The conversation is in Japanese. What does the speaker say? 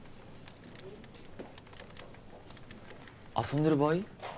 遊んでる場合？